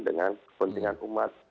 dengan kepentingan umat